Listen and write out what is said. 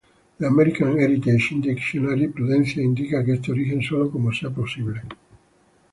The American Heritage Dictionary prudencia indica que este origen sólo como sea posible.